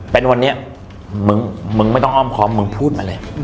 เป็นวันนี้มึงไม่ต้องอ้อมคอมมึงพูดมาเลย